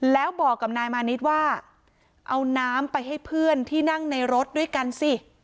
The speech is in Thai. แล้วบอกกับนายมานิดว่าเอาน้ำไปให้เพื่อนที่นั่งในรถด้วยกันสิ